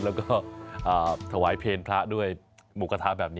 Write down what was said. แล้วก็ถวายเพลพระด้วยหมูกระทะแบบนี้